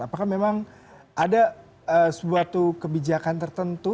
apakah memang ada suatu kebijakan tertentu